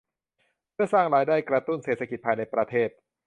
เพื่อสร้างรายได้กระตุ้นเศรษฐกิจภายในประเทศ